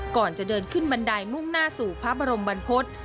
ก่อนจะเดินขึ้นบันไดมุ่งหน้าสู่พระบรมบรรพฤษ